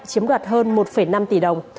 chiếm đoạt hơn một năm tỷ đồng